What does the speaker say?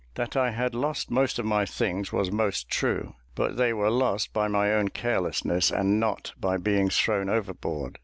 That I had lost most of my things was most true; but they were lost by my own carelessness, and not by being thrown overboard.